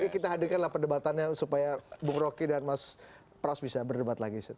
kita hadirkanlah perdebatannya supaya bung roky dan mas pras bisa berdebat lagi setelah ini